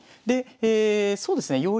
でえそうですね